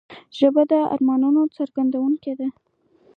ژبه د ارمانونو څرګندونه ده